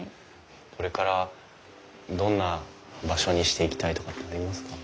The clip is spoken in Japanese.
これからどんな場所にしていきたいとかってありますか？